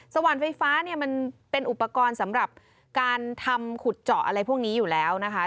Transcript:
ส่วนไฟฟ้าเนี่ยมันเป็นอุปกรณ์สำหรับการทำขุดเจาะอะไรพวกนี้อยู่แล้วนะคะ